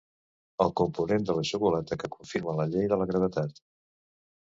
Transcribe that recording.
El component de la xocolata que confirma la llei de la gravetat.